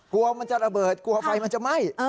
กลัวมันจะระเบิดกลัวไฟมันจะไหม้